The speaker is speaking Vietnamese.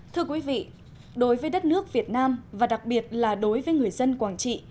thưa quý vị đối với đất nước việt nam và đặc biệt là đối với người dân quảng trị